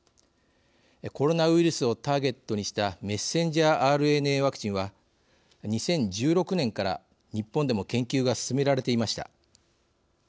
コロナウイルスをターゲットにしたメッセンジャーＲＮＡワクチンは２０１６年から日本でも研究が進められていました。